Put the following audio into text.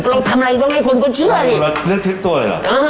เราทำอะไรต้องให้คนก็เชื่อดิแล้วเลือกทุกตัวเลยเหรอเออ